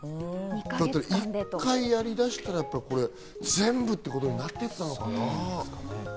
１回やり出したら全部ってことになっていったのかな？